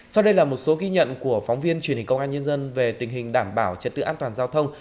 sau đây là một số ghi nhận của phóng viên truyền hình công an nhân dân về tình hình đảm bảo trật tự an toàn giao thông